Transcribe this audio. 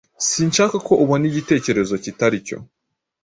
Sinshaka ko ubona igitekerezo kitari cyo.